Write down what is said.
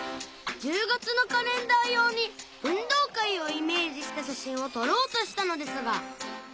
１０月のカレンダー用に運動会をイメージした写真を撮ろうとしたのですが